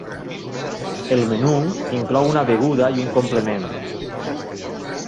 El menú inclou una beguda i un complement.